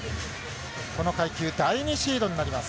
この階級、第２シードになります。